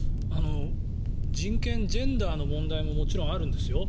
人権・ジェンダーの問題ももちろんあるんですよ。